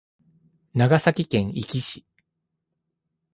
長崎県壱岐市